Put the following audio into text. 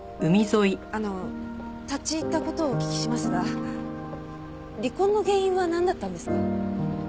あの立ち入った事をお聞きしますが離婚の原因はなんだったんですか？